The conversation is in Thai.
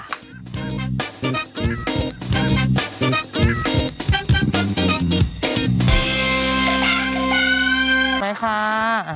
สวัสดีค่ะ